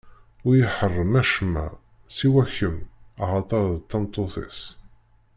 Ur y-iḥeṛṛem acemma, siwa kemm, axaṭer d tameṭṭut-is.